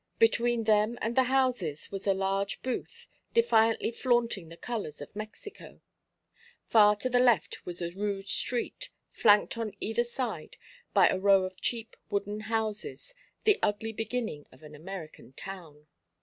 Between them and the houses was a large booth, defiantly flaunting the colours of Mexico. Far to the left was a rude street, flanked on either side by a row of cheap wooden houses, the ugly beginning of an American town.